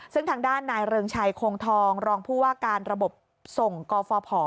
ซึ่งทางด้านนายเริงชัยโคงทองรองผู้ว่าการระบบส่งกฟภ